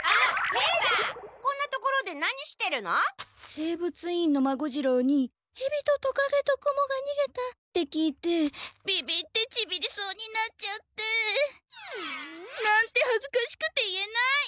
生物委員会の孫次郎に「ヘビとトカゲとクモがにげた」って聞いてビビってチビりそうになっちゃって。なんてはずかしくて言えない！